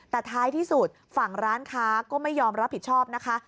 แต่ท้ายที่สุดฝั่งร้านค้าก็ไม่ยอมรับผิดชอบนะคะ